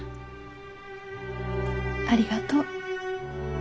ありがとう。